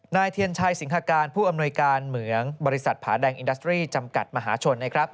เทียนชัยสิงหาการผู้อำนวยการเหมืองบริษัทผาแดงอินดัสตรีจำกัดมหาชนนะครับ